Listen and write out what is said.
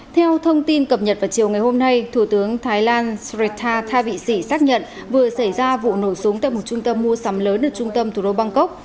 theo thông tin cập nhật vào chiều ngày hôm nay thủ tướng thái lan sreta tha vị sĩ xác nhận vừa xảy ra vụ nổ súng tại một trung tâm mua sắm lớn ở trung tâm thủ đô bangkok